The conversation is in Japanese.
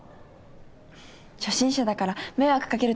初心者だから迷惑かけると。